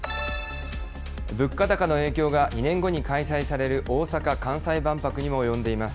物価高の影響が、２年後に開催される大阪・関西万博にも及んでいます。